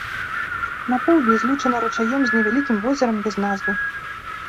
На поўдні злучана ручаём з невялікім возерам без назвы.